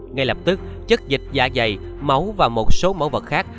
ngay lập tức chất dịch da dày máu và một số mẫu vật khác